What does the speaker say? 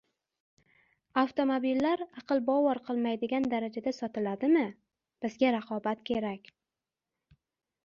Avtomobillar aql bovar qilmaydigan darajada sotiladimi? Bizga raqobat kerak